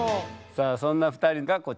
さあそんな２人がこちら。